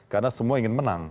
karena semua ingin menang